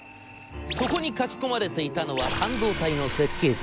そこに書き込まれていたのは半導体の設計図。